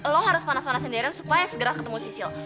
lo harus panas panasin darren supaya segera ketemu sisil